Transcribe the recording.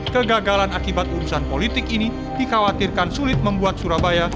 kegagalan akibat urusan politik ini dikhawatirkan sulit membuat surabaya